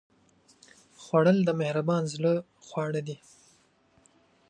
خوړل د مهربان زړه خواړه دي